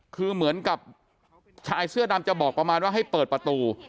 คือเหมือนกับชายเสื้อดำจะบอกประมาณว่าให้เปิดประตู